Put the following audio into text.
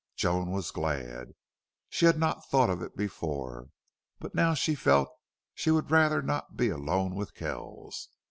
Joan was glad. She had not thought of it before, but now she felt she would rather not be alone with Kells.